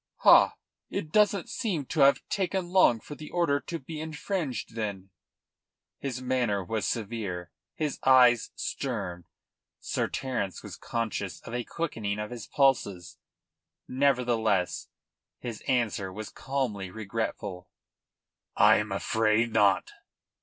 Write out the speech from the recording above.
"Ha! It doesn't seem to have taken long for the order to be infringed, then." His manner was severe, his eyes stern. Sir Terence was conscious of a quickening of his pulses. Nevertheless his answer was calmly regretful: "I am afraid not."